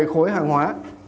một mươi khối hàng hóa